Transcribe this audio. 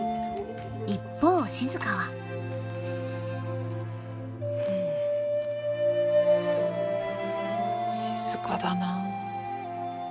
一方静は静かだな。